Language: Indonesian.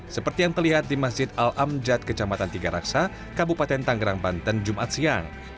seperti yang terlihat di masjid al amjad kecamatan tiga raksa kabupaten tanggerang banten jumat siang